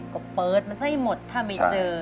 ก็เปิดมันไส้หมดถ้าไม่เจอ